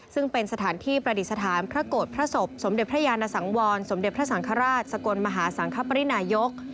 ซึ่งเป็นสถานที่ประดิษฐานพระโกรธพระศพสมเด็จพระยานสังวรสมเด็จพระสังฆราชสกลมหาสังคปรินายก